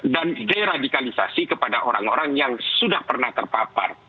deradikalisasi kepada orang orang yang sudah pernah terpapar